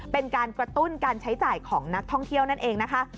เป็นการกระตุ้นการใช้จ่ายของนักท่องเที่ยวนั่นเองนะคะ